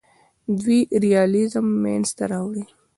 دوی ریالیزم منځ ته راوړ.